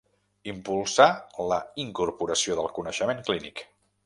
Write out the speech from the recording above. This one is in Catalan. Impulsar la incorporació del coneixement clínic.